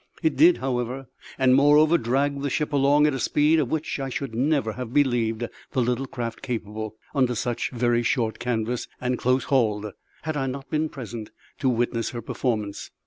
It did, however, and moreover dragged the ship along at a speed of which I should never have believed the little craft capable, under such very short canvas, and close hauled, had I not been present to witness her performance.